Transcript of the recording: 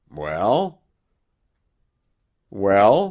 Well?" "Well?"